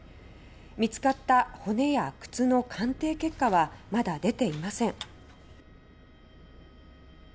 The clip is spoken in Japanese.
見つかった骨や靴の鑑定結果はまだ出ていません。